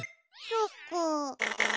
そっか。